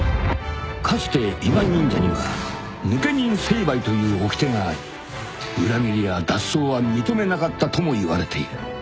［かつて伊賀忍者には「抜忍成敗」というおきてがあり裏切りや脱走は認めなかったともいわれている］